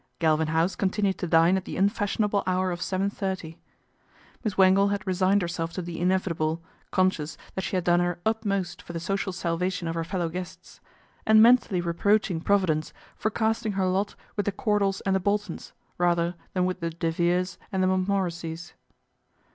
Galvin House continued to dine at the unfashionable hour of seven thirty. Miss Wangle had resigned herself to the inevitable, conscious that she had done her 58 PATRICIA'S REVENGE 59 utmost for the social salvation of her fellow guests, and mentally reproaching Providence for casting her lot with the Cordals and the Boltons, rather than with the De Veres and the Montmorencies.